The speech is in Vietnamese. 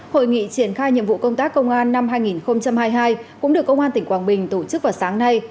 hội nghị triển khai nhiệm vụ công tác công an năm hai nghìn hai mươi hai cũng được công an tỉnh quảng bình tổ chức vào sáng nay